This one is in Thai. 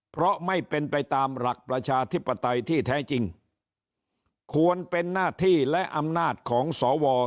เพราะไม่เป็นไปตามหลักประชาธิปไตยที่แท้จริงควรเป็นหน้าที่และอำนาจของสว